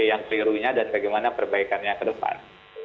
dan perirunya dan bagaimana perbaikannya ke depan